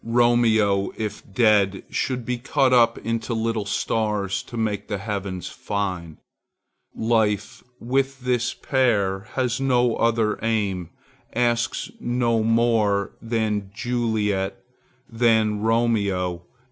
Romeo, if dead, should be cut up into little stars to make the heavens fine. Life, with this pair, has no other aim, asks no more, than Juliet,—than Romeo.